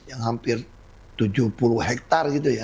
yang hampir tujuh puluh hektare gitu ya